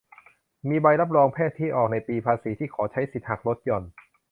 มีใบรับรองแพทย์ที่ออกในปีภาษีที่ขอใช้สิทธิ์หักลดหย่อน